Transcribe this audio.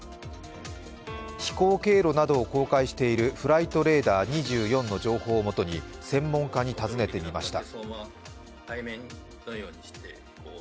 飛行経路などを公開しているフライトレーダー２４の情報をもとに専門家に尋ねてみました。